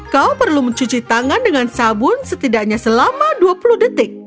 kau perlu mencuci tangan dengan sabun setidaknya selama dua puluh detik